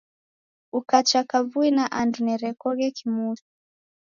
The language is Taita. Ukacha kavui na andu nerekoghe kimusi.